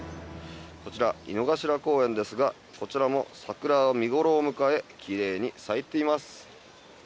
こちら、井の頭公園ですがこちらも桜は見頃を迎え奇麗に咲いています。